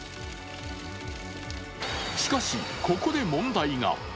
しかし、ここで問題が。